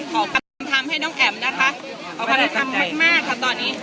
ขอการทำให้น้องแอบนะครับเพราะว่าคุณทำมากค่ะตอนนี้